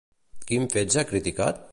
Quins fets ha criticat?